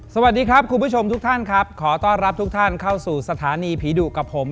สวัสดีครับคุณผู้ชมทุกท่านครับขอต้อนรับทุกท่านเข้าสู่สถานีผีดุกับผม